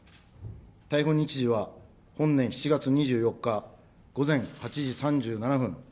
逮捕日時は、本年７月２４日午前８時３７分。